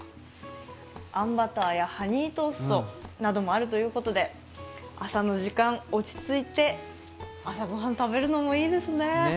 あんバターやハニートーストなどもあるということで、朝の時間、落ち着いて朝ごはん食べるのもいいですね。